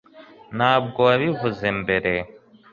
ntabwo wabivuze mbere